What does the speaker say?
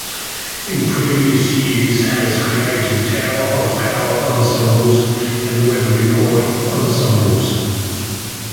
In previous years has created Tower of Power Ensemble and Weather Report Ensembles.